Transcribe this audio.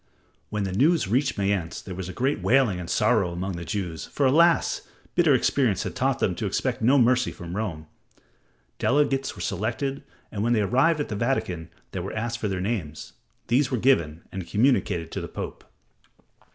When the news reached Mayence there was great wailing and sorrow among the Jews, for, alas! bitter experience had taught them to expect no mercy from Rome. Delegates were selected, and when they arrived at the Vatican they were asked for their names. These were given and communicated to the Pope.